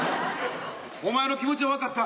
お前の気持ちは分かった。